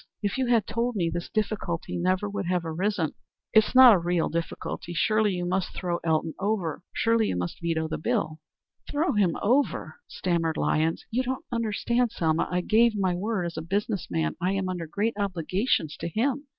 "If you had told me, this difficulty never would have arisen. Pshaw! It is not a real difficulty. Surely you must throw Elton over. Surely you must veto the bill." "Throw him over," stammered Lyons. "You don't understand, Selma. I gave my word as a business man. I am under great obligations to him."